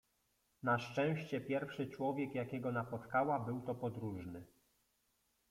Na szczęście pierwszy człowiek, jakiego napotkała, był to podróżny.